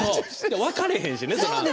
分からへんしね。